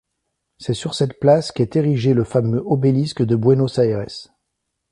C'est sur cette place qu'est érigé le fameux Obélisque de Buenos Aires.